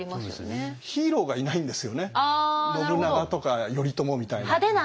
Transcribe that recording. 信長とか頼朝みたいな。